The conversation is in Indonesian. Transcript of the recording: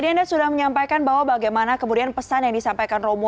tadi anda sudah menyampaikan bahwa bagaimana kemudian pesan yang disampaikan romo